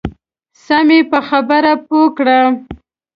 سم یې په خبره پوه کړه.